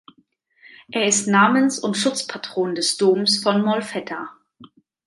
Er ist Namens- und Schutzpatron des Doms von Molfetta.